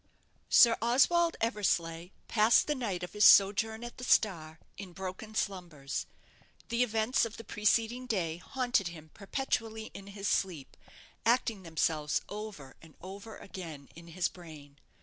Sir Oswald Eversleigh passed the night of his sojourn at the 'Star' in broken slumbers. The events of the preceding day haunted him perpetually in his sleep, acting themselves over and over again in his brain.